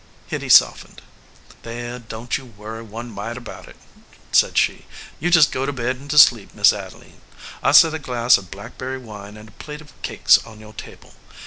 Hitty softened. "There, don t you worry one mite about it," said she. "You just go to bed and to sleep, Miss Adeline. I set a glass of blackberry wine and a plate of cakes on your table.